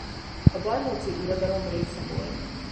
A bajmóci uradalom része volt.